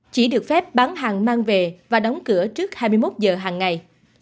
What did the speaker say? chỉ được phép bán hàng mang về và đóng cửa trước hai mươi một giờ hàng ngày